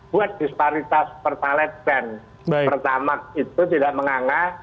buat disparitas bertalat dan bertamak itu tidak menganga